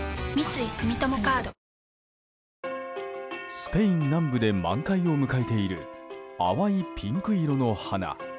スペイン南部で満開を迎えている淡いピンク色の花。